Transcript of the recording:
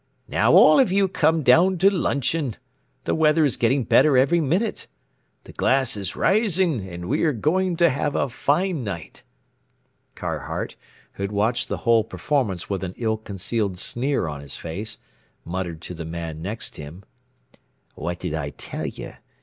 "Now all of you come down to luncheon. The weather is getting better every minute. The glass is rising and we are going to have a fine night." Carhart, who had watched the whole performance with an ill concealed sneer on his face, muttered to the man next him: "What did I tell you?